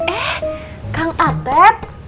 eh kang atlet